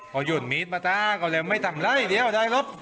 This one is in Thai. พอหยุดมีดมาได้เอาเร็วไม่ต่ำเลยเดี๋ยวได้ลบ